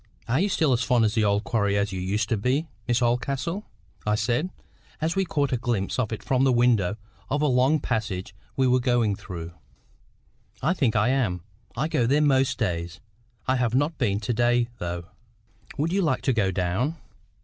"Are you still as fond of the old quarry as you used to be, Miss Oldcastle?" I said, as we caught a glimpse of it from the window of a long passage we were going through. "I think I am. I go there most days. I have not been to day, though. Would you like to go down?"